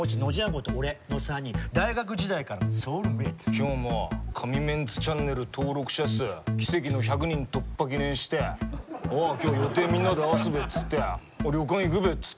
今日も神メンツチャンネル登録者数奇跡の１００人突破記念して「今日予定みんなで合わすべ！」っつって「旅館行くべ！」っつって来てるんですよ。